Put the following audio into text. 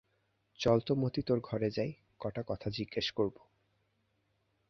চল তো মতি তোর ঘরে যাই, কটা কথা জিজ্ঞেস করব।